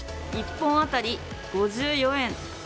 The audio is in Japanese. １本当たり５４円。